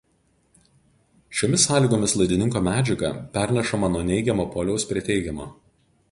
Šiomis sąlygomis laidininko medžiaga pernešama nuo neigiamo poliaus prie teigiamo.